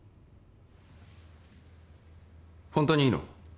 ホントにいいの？